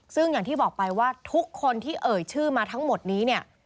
ซึ่งอย่างที่บอกไปว่าทุกคนที่เอ่ยชื่อมาทั้งหมดนี้เนี่ย